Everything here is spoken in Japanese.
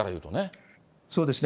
そうですね。